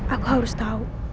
aku harus tau